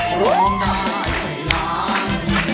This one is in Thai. คุณร้องได้ไข่ล้าง